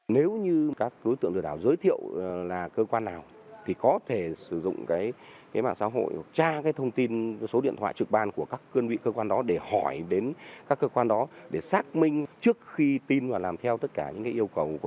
nếu như các đối tượng lừa đảo giới thiệu là cơ quan nào thì có thể sử dụng cái mạng xã hội hoặc tra cái thông tin số điện thoại trực ban của các cơ quan đó để hỏi đến các cơ quan đó để xác minh trước khi tin và làm theo tất cả những yêu cầu